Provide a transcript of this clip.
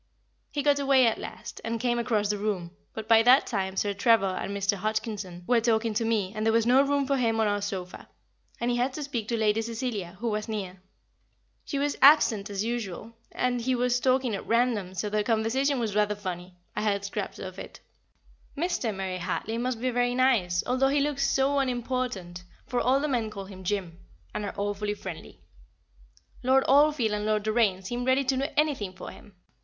He got away at last, and came across the room, but by that time Sir Trevor and Mr. Hodgkinson were talking to me, and there was no room for him on our sofa, and he had to speak to Lady Cecilia, who was near. She was as absent as usual, and he was talking at random, so their conversation was rather funny; I heard scraps of it. [Sidenote: A Sense of Honour] Mr. Murray Hartley must be very nice, although he looks so unimportant, for all the men call him "Jim," and are awfully friendly. Lord Oldfield and Lord Doraine seem ready to do anything for him.